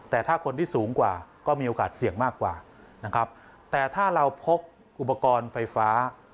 แต่ถ้าคนที่สูงกว่าก็มีโอกาสเสี่ยงมากกว่านะครับแต่ถ้าเราพกอุปกรณ์ไฟฟ้า